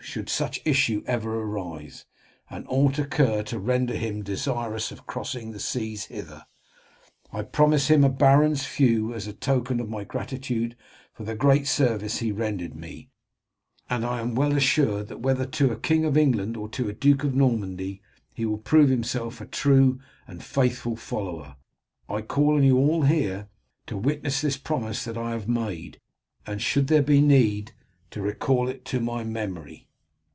Should such issue never arise, and aught occur to render him desirous of crossing the seas hither, I promise him a baron's feu as a token of my gratitude for the great service he rendered me; and I am well assured that, whether to a King of England or to a Duke of Normandy, he will prove himself a true and faithful follower. I call on you all here to witness this promise that I have made, and should there be need, to recall it to my memory."